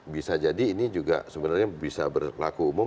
bisa jadi ini juga sebenarnya bisa berlaku umum